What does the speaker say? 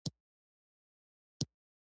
بېنډۍ د ذهنی فشار ضد ده